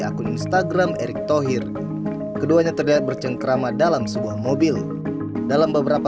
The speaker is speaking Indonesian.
akun instagram erick thohir keduanya terlihat bercengkrama dalam sebuah mobil dalam beberapa